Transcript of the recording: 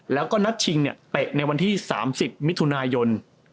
แล้วก็นัดชิงเนี่ยเตะในวันที่๓๐มิถุนายน